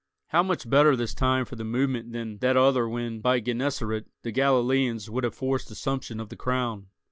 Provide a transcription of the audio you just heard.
How much better this time for the movement than that other when, by Gennesaret, the Galileans would have forced assumption of the crown?